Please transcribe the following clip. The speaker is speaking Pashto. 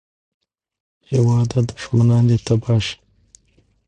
هېواده دوښمنان دې تباه شه